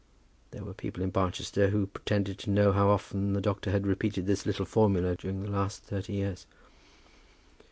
There were people in Barchester who pretended to know how often the doctor had repeated this little formula during the last thirty years.